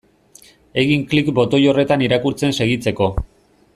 Egin klik botoi horretan irakurtzen segitzeko.